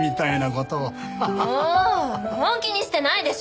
もう本気にしてないでしょう？